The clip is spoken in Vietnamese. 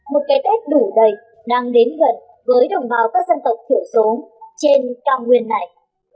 một cái tết đủ đầy đang đến gần với đồng bào các dân tộc thiểu số trên cao nguyên này